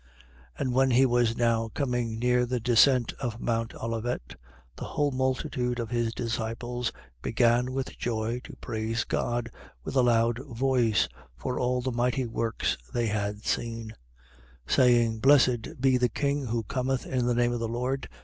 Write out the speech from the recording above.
19:37. And when he was now coming near the descent of Mount Olivet, the whole multitude of his disciples began with joy to praise God with a loud voice, for all the mighty works they had seen, 19:38. Saying: Blessed be the king who cometh in the name of the Lord!